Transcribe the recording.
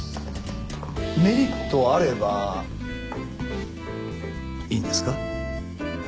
メリットあればいいんですか？